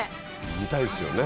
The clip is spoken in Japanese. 見たいですよね。